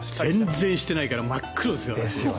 全然していないから真っ黒ですよ。